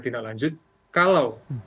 tindak lanjut kalau